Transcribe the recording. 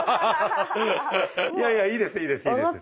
いやいやいいですいいですいいです。